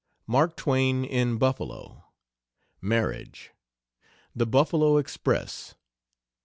MARK TWAIN IN BUFFALO. MARRIAGE. THE BUFFALO EXPRESS.